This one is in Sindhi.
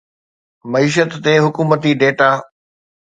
معيشت تي حڪومتي ڊيٽا